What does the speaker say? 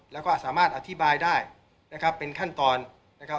แล้วก็สามารถอธิบายได้นะครับเป็นขั้นตอนนะครับ